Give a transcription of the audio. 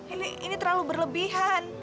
ini ini terlalu berlebihan